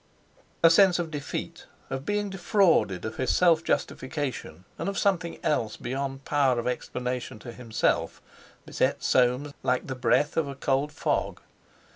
A sense of defeat—of being defrauded of his self justification, and of something else beyond power of explanation to himself, beset Soames like the breath of a cold fog.